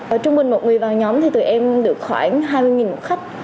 ở trung bình một người vào nhóm thì tụi em được khoảng hai mươi một khách